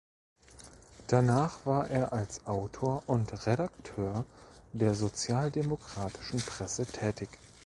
Danach war er als Autor und Redakteur der sozialdemokratischen Presse tätig.